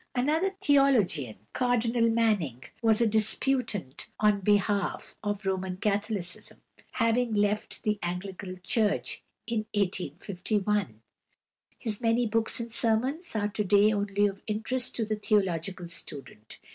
Another theologian, =Cardinal Manning (1808 1892)=, was a disputant on behalf of Roman Catholicism, he having left the Anglican Church in 1851. His many books and sermons are to day only of interest to the theological student.